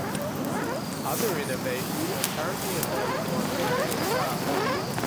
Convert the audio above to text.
Other innovations are currently available on various cars.